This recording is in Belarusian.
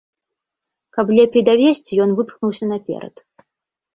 Каб лепей давесці, ён выпхнуўся наперад.